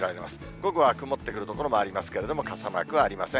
午後は曇ってくる所もありますけれども、傘マークはありません。